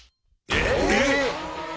えっ！？